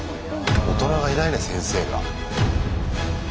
大人がいないね先生が。